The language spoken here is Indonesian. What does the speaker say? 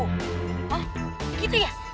hah gitu ya